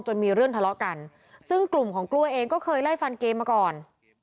มีเรื่องทะเลาะกันซึ่งกลุ่มของกล้วยเองก็เคยไล่ฟันเกมมาก่อน